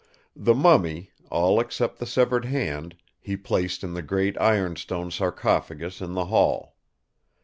The mummy, all except the severed hand, he placed in the great ironstone sarcophagus in the hall.